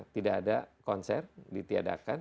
tidak ada konser ditiadakan